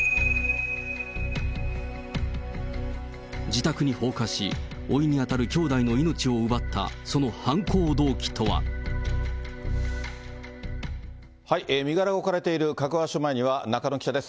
自宅に放火し、おいに当たる兄弟の命を奪ったその犯行動機とは。身柄が置かれている加古川署前から中野記者です。